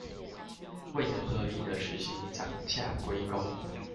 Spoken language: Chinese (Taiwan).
未能合理的實行漲價歸公